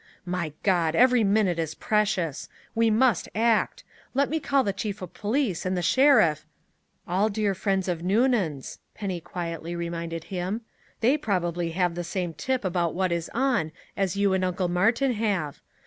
"My God, every minute is precious! We must act. Let me call the chief of police and the sheriff " "All dear friends of Noonan's," Penny quietly reminded him. "They probably have the same tip about what is on as you and Uncle Martin have!